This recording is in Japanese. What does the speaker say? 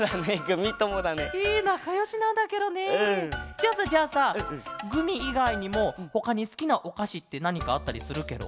じゃあさじゃあさグミいがいにもほかにすきなおかしってなにかあったりするケロ？